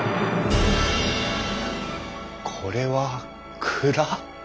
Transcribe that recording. これは蔵？